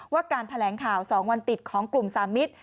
การแถลงข่าว๒วันติดของกลุ่มสามมิตร